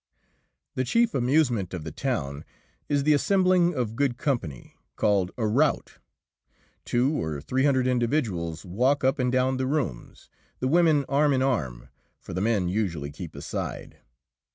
The chief amusement of the town is the assembling of good company, called a "rout." Two or three hundred individuals walk up and down the rooms, the women arm in arm, for the men usually keep aside.